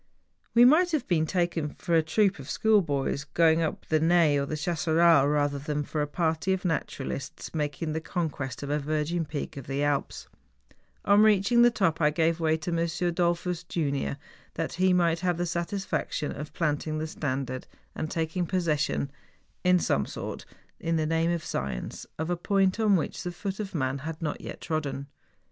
We might have been taken for a troop of school boys going up the Naye or the Chasseral rather than for a party of naturalists making the conquest of a virgin peak of the Alps. On reaching the top I gave way to M. Dollfus, junior, that he might have the satisfaction of plant¬ ing the standard and taking possession, in some sort, in the name of Science, of a point on which the foot of man had not yet trodden.